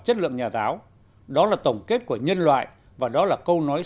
chất lượng nhà giáo đó là tổng kết của nhân loại và đó là câu nói